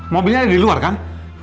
mobilnya di luar kan